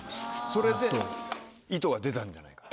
それで糸が出たんじゃないか。